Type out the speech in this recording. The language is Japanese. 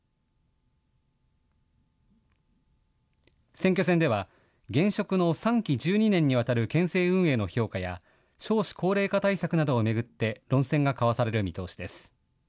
選挙戦では、現職の３期１２年にわたる県政運営の評価や、少子高齢化対策などを巡って論戦が交わされる見通しです。